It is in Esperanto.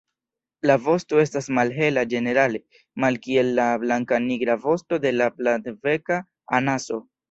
La vosto estas malhela ĝenerale, malkiel la blankanigra vosto de la Platbeka anaso.